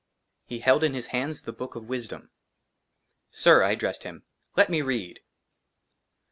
HE HELD IN HIS HANDS THE BOOK OF WISDOM. SIR," I ADDRESSED HIM, *' LET ME READ."